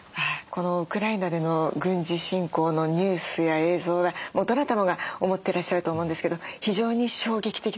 このウクライナでの軍事侵攻のニュースや映像はもうどなたもが思ってらっしゃると思うんですけど非常に衝撃的でした。